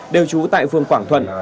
đều trú tại phương quảng thuận